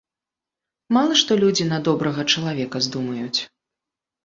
Мала што людзі на добрага чалавека здумаюць.